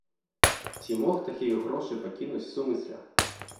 Ці мог такія грошы пакінуць сумысля?